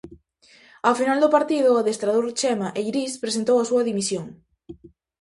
Ao final do partido o adestrador Chema Eirís presentou a súa dimisión.